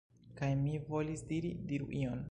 Kaj mi volis diri: "Diru ion!"